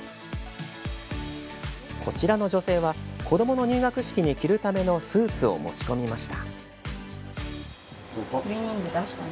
こちらの女性は子どもの入学式に着るためのスーツを持ち込みました。